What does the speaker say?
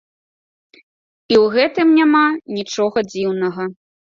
І ў гэтым няма нічога дзіўнага.